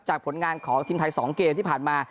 ผลงานของทีมไทย๒เกมที่ผ่านมา